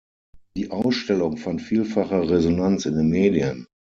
Die Ausstellung fand vielfache Resonanz in den Medien.